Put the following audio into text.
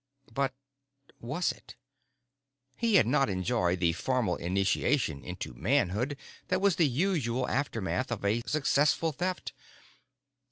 But was it? He had not enjoyed the formal initiation into manhood that was the usual aftermath of a successful Theft.